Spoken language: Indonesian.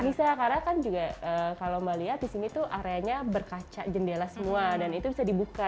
bisa karena kan juga kalau mbak lihat di sini tuh areanya berkaca jendela semua dan itu bisa dibuka